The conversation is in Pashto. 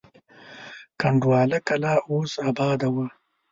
کنډواله کلا اوس اباده وه.